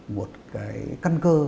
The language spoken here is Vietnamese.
một căn cơ